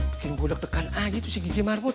bikin gue deg degan aja tuh si gigi marmut